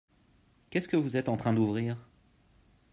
Qu'est-ce que vous êtes en train d'ouvrir ?